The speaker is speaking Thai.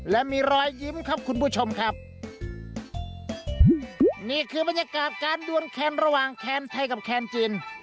และมีรอยยิ้มครับคุณผู้ชมครับนี่คือบรรยากาศการดวนแคนระหว่างแคนไทยกับแคนจีน